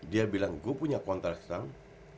dia bilang gue punya kontrak setahun